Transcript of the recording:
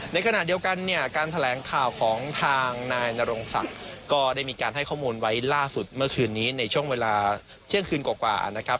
ในขณะเดียวกันเนี่ยการแถลงข่าวของทางนายนรงศักดิ์ก็ได้มีการให้ข้อมูลไว้ล่าสุดเมื่อคืนนี้ในช่วงเวลาเที่ยงคืนกว่านะครับ